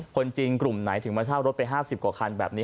คนจริงกลุ่มไหนถึงมาเช่ารถไป๕๐กว่าคันแบบนี้